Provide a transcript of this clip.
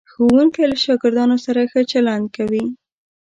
ښوونکی له شاګردانو سره ښه چلند کوي.